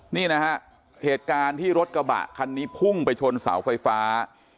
นี่นะฮะเหตุการณ์ที่รถกระบะคันนี้พุ่งไปชนเสาไฟฟ้า